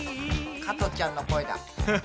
カトちゃんの声だ。